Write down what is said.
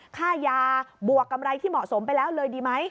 ค่ายาบวกกำไรที่เหมาะสมไปแล้วเลยดีไหม